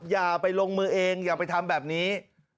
อย่าไปลงมือเองอย่าไปทำแบบนี้